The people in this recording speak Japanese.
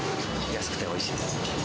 安くておいしいです。